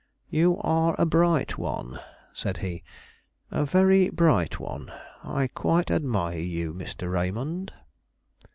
"You are a bright one," said he; "a very bright one. I quite admire you, Mr. Raymond."